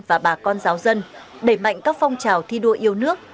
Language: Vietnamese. và bà con giáo dân đẩy mạnh các phong trào thi đua yêu nước